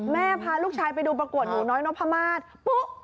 พาลูกชายไปดูประกวดหนูน้อยนพมาศปุ๊บ